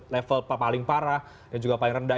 level paling parah dan juga paling rendah